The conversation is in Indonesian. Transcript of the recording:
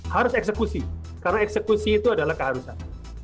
harus eksekusi karena eksekusi itu adalah keharusan